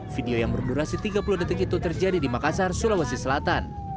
video yang berdurasi tiga puluh detik itu terjadi di makassar sulawesi selatan